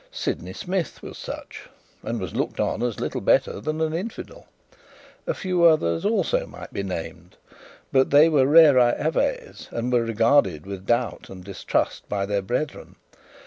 Sydney Smith was such, and was looked on as a little better than an infidel; a few others also might be named, but they were 'rarae aves', and were regarded with doubt and distrust by their brethren.